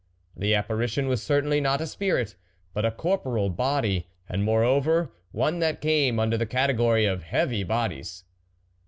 The apparition was certainly not a spirit, but a corporeal body, and moreover one that came under the category of heavy bodies.